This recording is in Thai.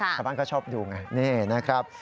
ชาวบ้านก็ชอบดูไงนี่นะครับ